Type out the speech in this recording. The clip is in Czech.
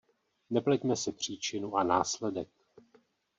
Nepleťme si příčinu a následek.